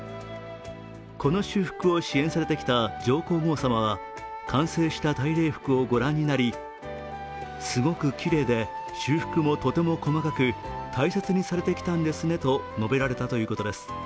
この修復を支援されてきた上皇后さまは完成した大礼服をご覧になりすごくきれいで、修復もとても細かく、大切にされてきたんですねと述べられたということです。